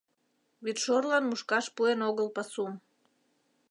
Вӱдшорлан мушкаш пуэн огыл пасум.